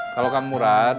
kalau kang murad